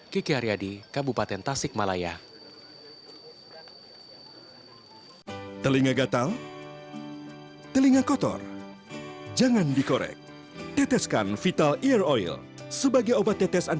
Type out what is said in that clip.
kiki haryadi kabupaten tasik malaya